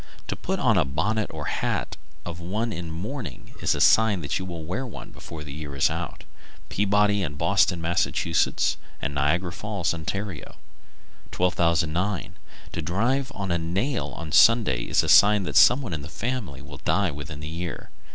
To put on a bonnet or hat of one in mourning is a sign that you will wear one before the year is out. Peabody and Boston, Mass., and Niagara Falls, Ont. 1209. To drive a nail on Sunday is a sign that some one in the family will die within the year.